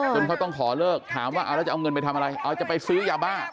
เขาต้องขอเลิกถามว่าเอาแล้วจะเอาเงินไปทำอะไรเอาจะไปซื้อยาบ้า